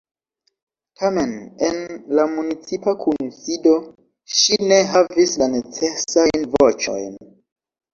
Tamen en la municipa kunsido ŝi ne havis la necesajn voĉojn.